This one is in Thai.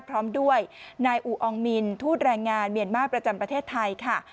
พร้อมด้วยนายอูอองมินทูตแรงงานเมียนมาร์ประจำประเทศไทยค่ะ